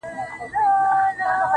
سپين گل د بادام مي د زړه ور مـات كړ